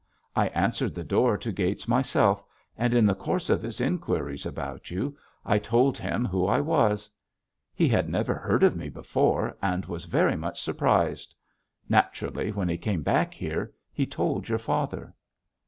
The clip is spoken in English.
I answered the door to Gates myself, and in the course of his inquiries about you, I told him who I was. He had never heard of me before and was very much surprised. Naturally, when he came back here, he told your father."